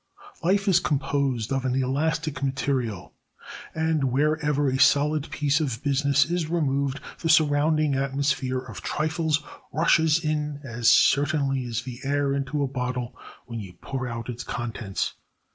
Life is composed of an elastic material, and wherever a solid piece of business is removed the surrounding atmosphere of trifles rushes in as certainly as the air into a bottle when you pour out its contents.